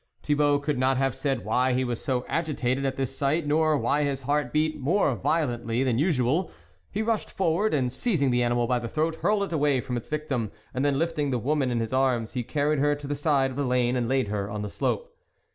Thibault could not have said why he was so agitated at this sight, nor why his heart beat more violently than usual ; he rushed forward and seizing the animal by the throat hurled it away from its victim, and then lifting the woman in his arms, he carried her to the side of the lane and laid her on the slope.